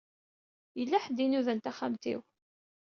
Yella ḥedd i inudan taxxamt-iw.